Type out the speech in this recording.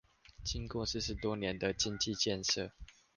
經過四十多年的經濟建設